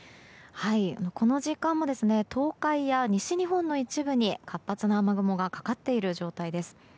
この時間も東海や西日本の一部に活発な雨雲がかかっている状態です。